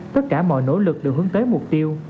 tất cả mọi nỗ lực đều hướng tới mục tiêu